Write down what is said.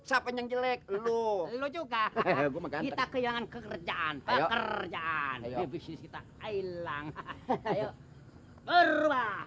siapa yang jelek lu juga kita ke yang kerjaan pekerjaan kita hilang berubah